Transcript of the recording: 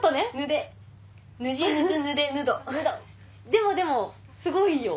でもでもすごいいいよ！